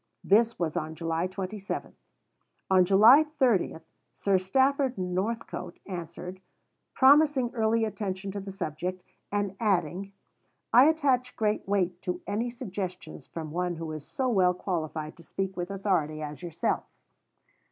This was on July 27. On July 30 Sir Stafford Northcote answered, promising early attention to the subject, and adding, "I attach great weight to any suggestions from one who is so well qualified to speak with authority as yourself."